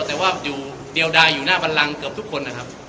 แต่ว่าอยู่เดียวดายอยู่หน้าบันลังเกือบทุกคนนะครับ